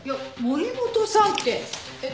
森本さんって。